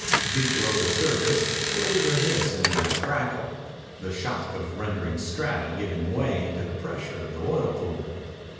Deep below the surface there was a hiss and a crackle, the shock of rending strata giving way to the pressure of the oil pool.